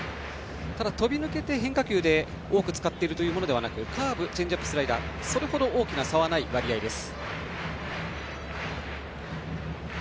ただ、飛びぬけて変化球で多く使っているというものはなくカーブ、チェンジアップスライダーにそれほど大きな差はない割合です。